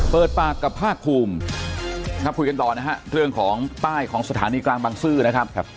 เปิดปากกับภาคภูมิครับคุยกันต่อนะฮะเรื่องของป้ายของสถานีกลางบังซื้อนะครับ